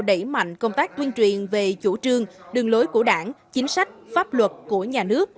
đẩy mạnh công tác tuyên truyền về chủ trương đường lối của đảng chính sách pháp luật của nhà nước